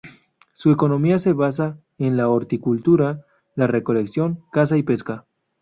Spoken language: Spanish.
Su economía se basa en la horticultura, la recolección, caza y pesca.